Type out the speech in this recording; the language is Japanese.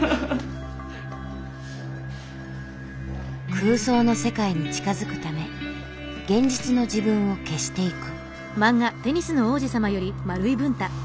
空想の世界に近づくため現実の自分を消していく。